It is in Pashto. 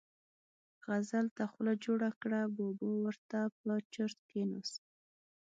غزل ته خوله جوړه کړه، بابا ور ته په چرت کېناست.